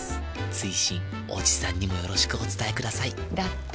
追伸おじさんにもよろしくお伝えくださいだって。